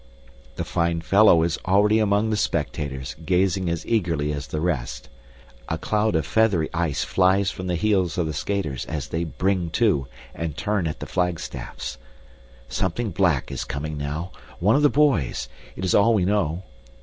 The fine fellow is already among the spectators, gazing as eagerly as the rest. A cloud of feathery ice flies from the heels of the skaters as they "bring to" and turn at the flagstaffs. Something black is coming now, one of the boys it is all we know.